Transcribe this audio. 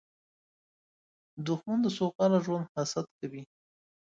دښمن د سوکاله ژوند حسد کوي